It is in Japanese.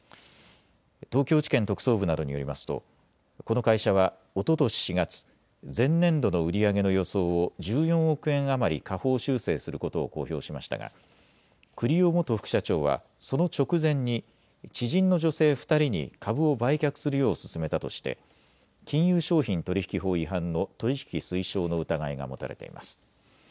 東京地検特捜部などによりますとこの会社はおととし４月、前年度の売り上げの予想を１４億円余り下方修正することを公表しましたが栗尾元副社長はその直前に知人の女性２人に株を売却するよう勧めたとして金融商品取引法違反の取引推奨の疑いが持たれています。